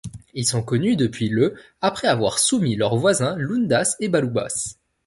Ils sont connus depuis le après avoir soumis leurs voisins lundas et balubas.